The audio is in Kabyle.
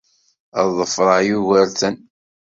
Ad ḍefreɣ Yugurten.